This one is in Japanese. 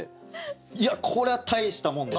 いやこれは大したもんです！